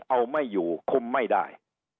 เอาไม่อยู่คุมไม่ได้